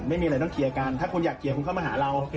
ไม่มีอะไรต้องเคลียร์กันถ้าคุณอยากเคลียร์คุณเข้ามาหาเรา